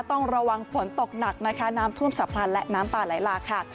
ต้องระวังฝนตกหนักนะคะน้ำท่วมฉับพลันและน้ำป่าไหลหลากค่ะ